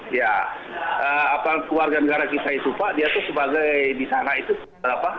iya apa keluarga negara kita itu pak dia itu sebagai bisana itu kenapa